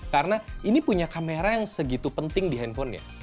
karena ini punya kamera yang segitu penting di handphonenya